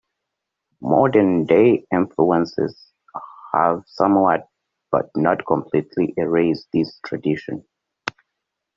Modern day influences have somewhat but not completely erased this tradition.